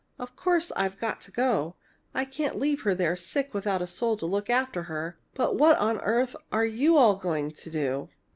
Of course I've got to go. I can't leave her there sick without a soul to look after her. But what on earth are you all going to do?"